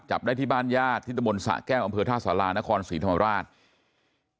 จับได้ที่บ้านญาติทิศบนศะแก้วอำเภอธาษลานครศรีธรรมราช